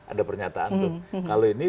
ada pernyataan tuh kalau ini